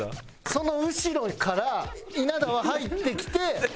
その後ろから稲田は入ってきて。